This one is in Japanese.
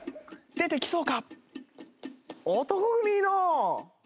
出てきそうか？